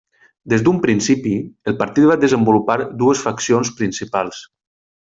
Des d'un principi, el partit va desenvolupar dues faccions principals.